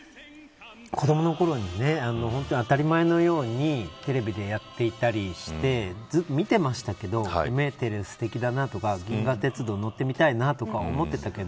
子どものころに当たり前のようにテレビでやっていたりしてずっと見ていましたけどメーテル、すてきだなとか銀河鉄道乗ってみたいなとか思っていましたけど